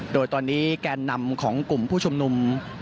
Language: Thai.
โดยตอนนี้แกนนำของกลุ่มผู้ชุมนุม